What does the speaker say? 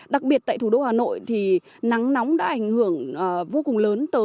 đặc biệt tại thủ đô hà nội thì nắng nóng đã ảnh hưởng vô cùng lớn